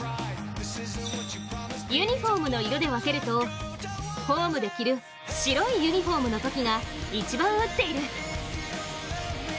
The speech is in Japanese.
ユニフォームの色で分けるとホームで着る白いユニフォームのときが一番打っている。